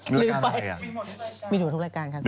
มีรายการอะไรมีทุกรายการค่ะ